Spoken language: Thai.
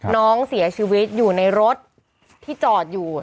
น้องเสียชีวิตอยู่ในรถที่จอดอยู่